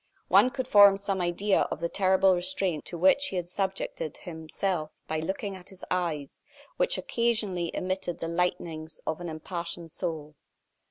One could form some idea of the terrible restraint to which he had subjected himself by looking at his eyes, which occasionally emitted the lightnings of an impassioned soul.